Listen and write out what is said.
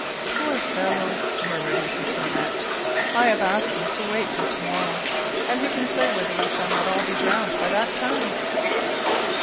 "Poor fellow." murmured Mrs Barnett; "I have asked him to wait till to morrow, and who can say whether we shall not all be drowned by that time!"